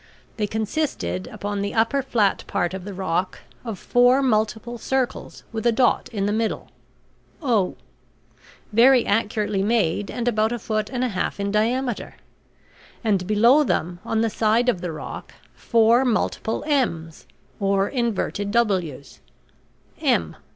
They consisted, upon the upper flat part of the rock, of four multiple circles with a dot in the middle (O), very accurately made and about a foot and a half in diameter; and below them, on the side of the rock, four multiple m's or inverted w's (M).